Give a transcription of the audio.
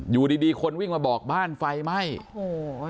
อยู่ดีดีคนวิ่งมาบอกบ้านไฟไหม้โอ้โห